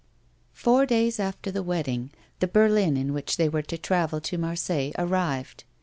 Four days after the wedding, the berlin in which they were to travel to Marseilles arrived.